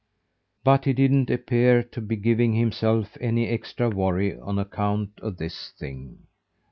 But he didn't appear to be giving himself any extra worry on account of this thing.